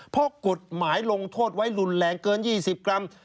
เพราะกฎหมายลงโทษไว้รุนแรงเกิน๒๐กรัม